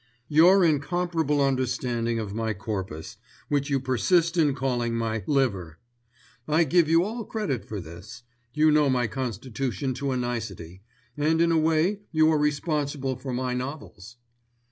"Your incomparable understanding of my corpus, which you persist in calling my liver. I give you all credit for this. You know my constitution to a nicety, and in a way you are responsible for my novels."